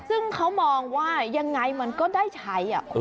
ซึ่งเขามองว่ายังไงมันก็ได้ใช้